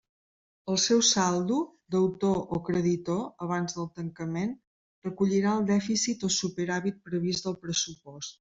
El seu saldo, deutor o creditor, abans del tancament, recollirà el dèficit o superàvit previst del pressupost.